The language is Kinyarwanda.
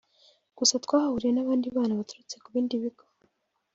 gusa twahahuriye n’abandi bana baturutse ku bindi bigo